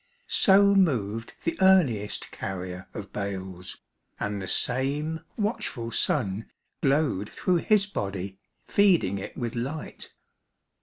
So moved the earliest carrier of bales, And the same watchful sun Glowed through his body feeding it with light.